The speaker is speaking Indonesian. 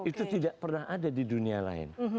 itu tidak pernah ada di dunia lain